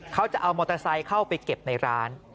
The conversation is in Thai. เขาจะเอามอเตอร์ไซค์เข้าไปเก็บในร้าน